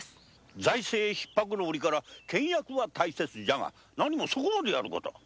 財政窮迫の折から倹約は大切じゃが何もそこまでやる事は。